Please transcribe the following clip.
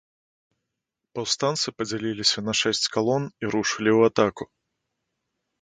Паўстанцы падзяліліся на шэсць калон і рушылі ў атаку.